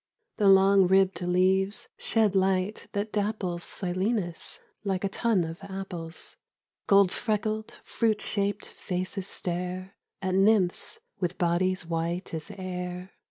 The long ribbed leaves shed light that dapples Silenus like a tun of apples. Gold freckled, fruit shaped faces stare At nymphs with bodies white as air.